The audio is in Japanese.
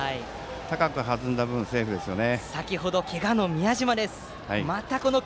高く弾んだ分セーフでしたね。